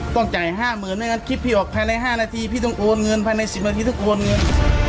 ต้องจ่าย๕๐๐๐ไม่งั้นคลิปพี่ออกภายใน๕นาทีพี่ต้องโอนเงินภายใน๑๐นาทีต้องโอนเงิน